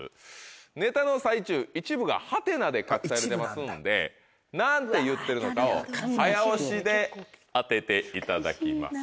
ネタの最中一部がハテナで隠されてますんで何て言ってるのかを早押しで当てていただきます。